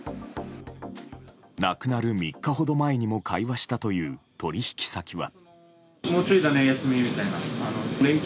亡くなる３日ほど前にも会話したという取引先は。